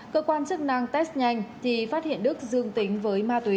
cơ quan chức năng test nhanh thì phát hiện đức dương tính với ma túy